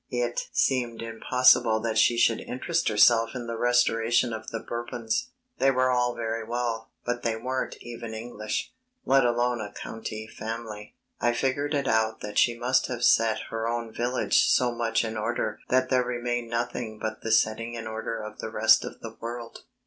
It seemed impossible that she should interest herself in the restoration of the Bourbons they were all very well, but they weren't even English, let alone a county family. I figured it out that she must have set her own village so much in order that there remained nothing but the setting in order of the rest of the world.